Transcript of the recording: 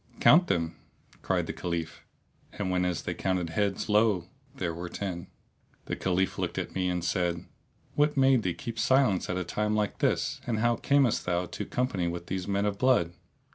"Count them!" cried the Caliph and whenas they counted heads, lo! there were ten. The Caliph looked at me and said, "What made thee keep silence at a time like this and how camest thou to company with these men of blood?